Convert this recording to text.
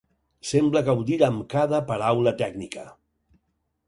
Sembla gaudir amb cada paraula tècnica.